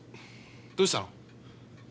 どうしたの？